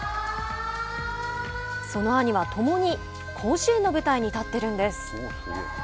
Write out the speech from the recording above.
その兄は共に甲子園の舞台に立っているんです。